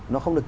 nó không được